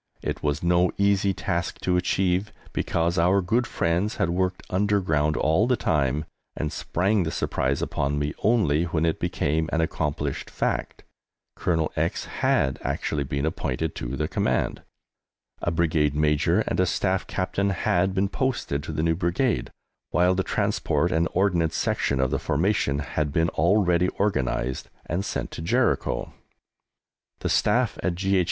It was no easy task to achieve, because our good friends had worked underground all the time, and sprang this surprise upon me only when it became an accomplished fact; Colonel X had actually been appointed to the command, a Brigade Major and a Staff Captain had been posted to the new Brigade, while the transport and ordnance section of the formation had been already organized and sent to Jericho. The Staff at G.